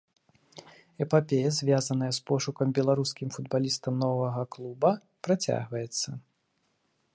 Эпапея, звязаная з пошукам беларускім футбалістам новага клуба, працягваецца.